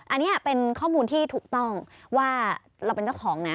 อันนี้เป็นข้อมูลที่ถูกต้องว่าเราเป็นเจ้าของนะ